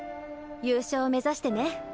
優勝目指してね。